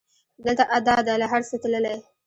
دلته ادا ده له هر څه تللې